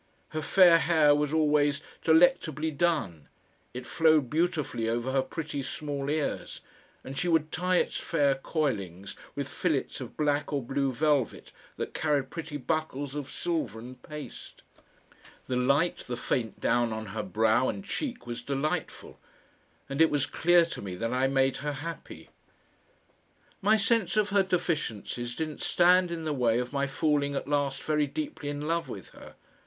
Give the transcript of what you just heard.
Her fair hair was always delectably done. It flowed beautifully over her pretty small ears, and she would tie its fair coilings with fillets of black or blue velvet that carried pretty buckles of silver and paste. The light, the faint down on her brow and cheek was delightful. And it was clear to me that I made her happy. My sense of her deficiencies didn't stand in the way of my falling at last very deeply in love with her.